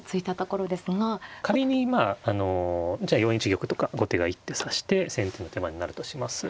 仮にまあじゃあ４一玉とか後手が一手指して先手の手番になるとします。